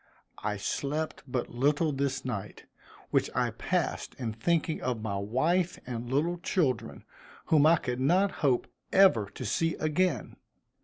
I slept but little this night, which I passed in thinking of my wife and little children, whom I could not hope ever to see again.